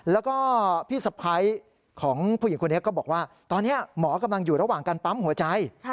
แล้วก็พี่สะพ้ายของผู้หญิงคนนี้ก็บอกว่าตอนนี้หมอกำลังอยู่ระหว่างการปั๊มหัวใจ